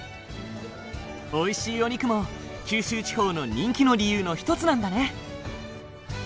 おいしいお肉も九州地方の人気の理由の一つなんだね。